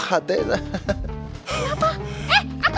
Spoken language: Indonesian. kenapa eh ah kang kenapa